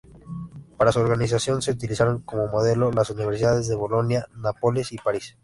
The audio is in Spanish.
Para su organización se utilizaron como modelos las universidades de Bolonia, Nápoles y París.